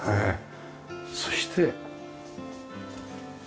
そして。